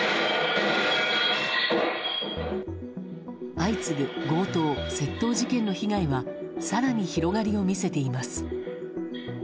相次ぐ強盗・窃盗事件の被害は更に広がりを見せています。